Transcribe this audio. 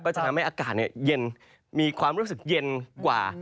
จะทำให้อากาศเย็นมีความรู้สึกเย็นกว่า